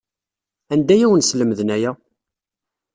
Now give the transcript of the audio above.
Anda ay awen-slemden aya?